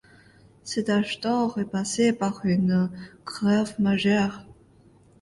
Cet âge d'or est passé par une greffe majeure.